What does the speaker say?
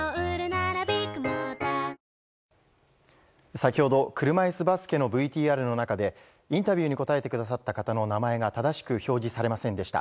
先ほど車いすバスケのＶＴＲの中でインタビューに答えてくださった方の名前が正しく表示されませんでした。